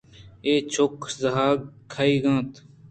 اے چک/ زاھگ کئیگ اِنت